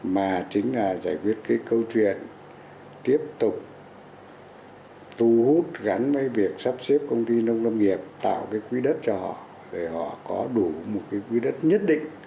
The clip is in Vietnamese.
mà chính là giải quyết cái câu chuyện tiếp tục thu hút gắn với việc sắp xếp công ty nông lâm nghiệp tạo cái quỹ đất cho họ để họ có đủ một cái quy đất nhất định